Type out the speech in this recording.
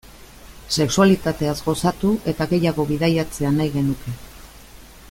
Sexualitateaz gozatu eta gehiago bidaiatzea nahi genuke.